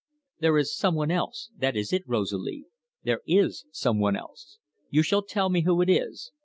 "There is some one else that is it, Rosalie. There is some one else. You shall tell me who it is.